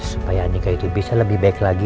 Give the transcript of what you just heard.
supaya nikah itu bisa lebih baik lagi